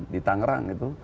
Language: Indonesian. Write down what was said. di tangerang itu